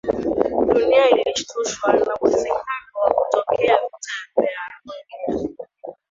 Dunia ilishtushwa na uwezekano wa kutokea vita vya nuklia